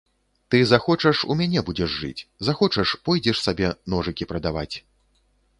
Ты захочаш, у мяне будзеш жыць, захочаш, пойдзеш сабе ножыкі прадаваць.